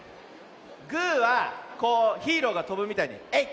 グーはこうヒーローがとぶみたいにえい！